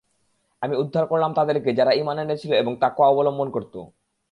আমি উদ্ধার করলাম তাদেরকে যারা ঈমান এনেছিল এবং তাকওয়া অবলম্বন করত।